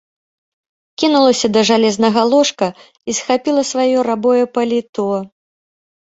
Кінулася да жалезнага ложка і схапіла сваё рабое паліто.